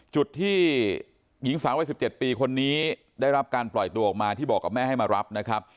จุดที่หญิงสาววัย๑๗ปีคนนี้ได้รับการปล่อยตัวออกมาที่บอกกับแม่ให้มารับนะครับ